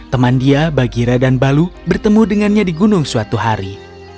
teman dia bagira dan balu bertemu dengannya di gunung suatu hari